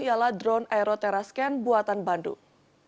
ialah drone aeroterascan buatan bandung